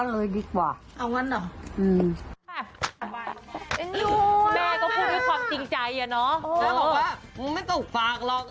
แม่ก็บอกว่ามึงไม่ต้องฝากหรอก